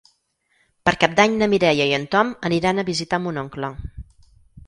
Per Cap d'Any na Mireia i en Tom aniran a visitar mon oncle.